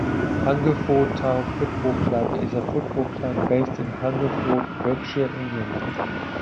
Hungerford Town Football Club is a football club based in Hungerford, Berkshire, England.